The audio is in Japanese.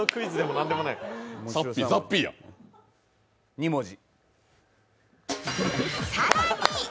２文字。